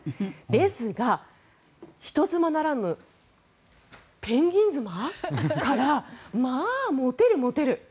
ですが人妻ならぬペンギン妻からまあ、モテるモテる！